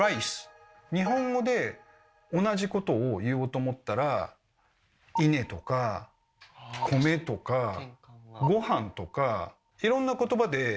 日本語で同じことを言おうと思ったら「稲」とか「米」とか「ごはん」とかいろんな言葉で。